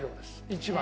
１番。